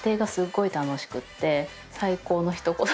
最高のひと言です。